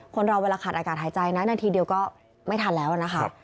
คนเราเวลาขาดอากาศหายใจนะนาทีเดียวก็ไม่ทันแล้วนะคะ